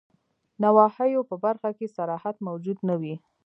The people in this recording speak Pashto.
نواهیو په برخه کي صراحت موجود نه وي.